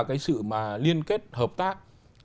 cái sự mà liên kết hợp tác